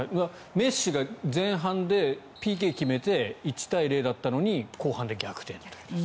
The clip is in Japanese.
メッシが前半でＰＫを決めて１対０だったのに後半で逆転と。